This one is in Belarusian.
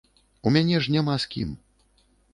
У мяне ж няма з кім.